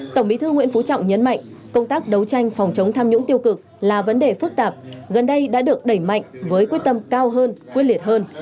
tổng bí thư nguyễn phú trọng nhấn mạnh công tác đấu tranh phòng chống tham nhũng tiêu cực là vấn đề phức tạp gần đây đã được đẩy mạnh với quyết tâm cao hơn quyết liệt hơn